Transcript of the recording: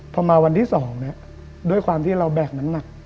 พอมาวันที่๒ด้วยความที่เราแบกน้ำหนัก